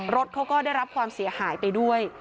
รถเขาก็ได้รับความเสียหายไปด้วย